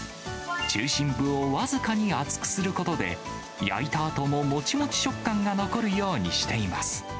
中心部を僅かに厚くすることで、焼いたあとももちもち食感が残るようにしています。